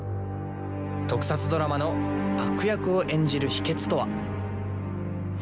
特撮ドラマの悪役を演じる秘けつとは。